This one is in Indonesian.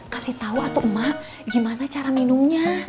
kasih tau atuk mak gimana cara minumnya